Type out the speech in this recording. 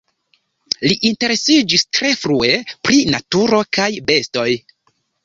Li interesiĝis tre frue pri naturo kaj bestoj.